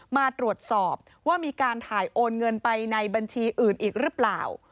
มาตรวจสอบว่ามีการถ่ายโอนเงินไปในบัญชีอื่นอีกหรือเปล่า